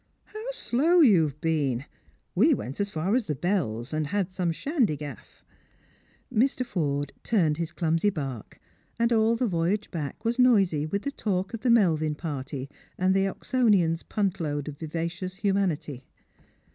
How slow you've been ! We went as far as the Bells, and had some »handy gafiEl" 46 Strangers and Pilgrims. • Mr. Forde turned his clumsy bark, and all tte voyage back was noisy with the talk of the Melvtn party and the Oxonians' punt load of vivacious humanity.